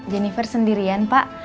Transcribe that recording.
gineper sendirian pak